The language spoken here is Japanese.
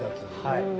はい。